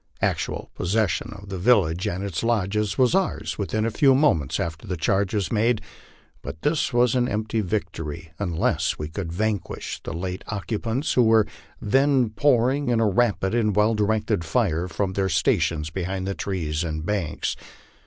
Actual possession of the village and its lodges was ours within a few moments after the charge was made, but this was an empty vic tory unless we could vanquish the late occupants, who were then pouring in a rapid and well directed fire from their stations behind trees and banks.